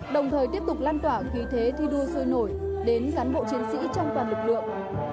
đồng thời tiếp tục lan tỏa khí thế thi đua sôi nổi đến cán bộ chiến sĩ trong toàn lực lượng